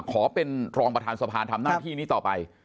ขอเป็นรองประธานสภาทำหน้าที่นี้ต่อไป